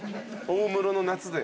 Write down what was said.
大室の夏で。